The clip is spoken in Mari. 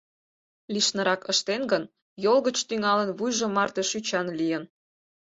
Лишнырак ыштен гын, йол гыч тӱҥалын вуйжо марте шӱчан лийын.